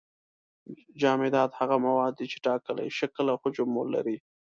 جامدات هغه مواد دي چې ټاکلی شکل او حجم لري.